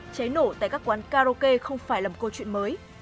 cháy nổ tại các quán karaoke không phải là một câu chuyện mới